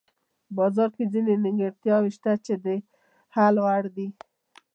بازار کې ځینې نیمګړتیاوې شته چې د حل وړ دي.